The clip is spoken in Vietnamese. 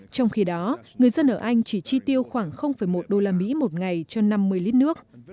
trong khi đó người dân ở anh chỉ chi tiêu khoảng một usd một ngày cho năm mươi lít nước